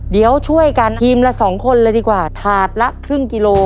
เดี๋ยวช่วยกันทีมละสองคนเลยดีกว่าถาดละครึ่งกิโล